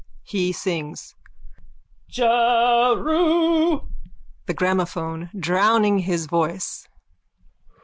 (He sings.) Jeru... THE GRAMOPHONE: _(Drowning his voice.)